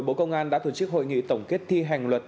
bộ công an đã tổ chức hội nghị tổng kết thi hành luật